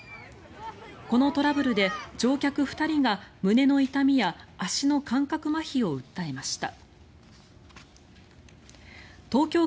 このトラブルで乗客２人が胸の痛みや足の感覚まひを訴えました。